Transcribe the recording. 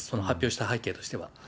発表した背景としては。